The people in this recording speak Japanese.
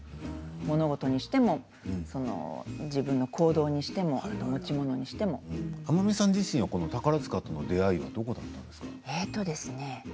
物事にしても自分の行動にしても天海さん自身は宝塚との出会いはどこだったんですか？